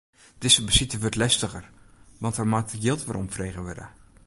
Dizze besite wurdt lestiger, want der moat jild weromfrege wurde.